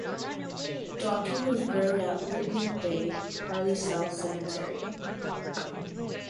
Docking was buried at Whitley Bay (Hartley South) Cemetery.